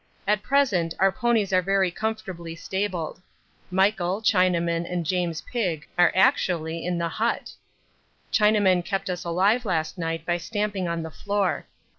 At present our ponies are very comfortably stabled. Michael, Chinaman and James Pigg are actually in the hut. Chinaman kept us alive last night by stamping on the floor.